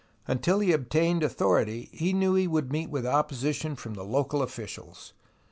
Until he obtained authority he knew he would meet with opposition from the local officials.